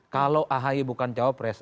kalau ahy bukan jawab pres